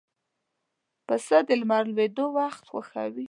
پسه د لمر لوېدو وخت خوښوي.